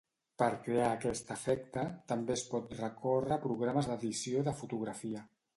Per crear aquest efecte també es pot recórrer a programes d'edició de fotografia.